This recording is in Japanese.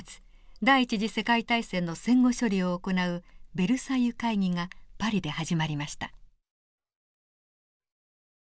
第一次世界大戦の戦後処理を行うベルサイユ会議がパリで始まりました。